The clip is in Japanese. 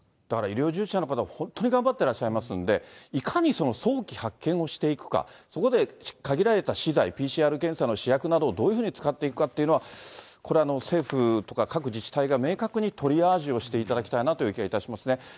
だから、医療従事者の方は非常に頑張ってらっしゃいますんで、いかに早期発見をしていくか、そこで限られた資材、ＰＣＲ検査の試薬などをどうやって使っていくかっていうのは、これ先生とか各自治体が明確にトリアージをしていただきたいなという気がいたしますね。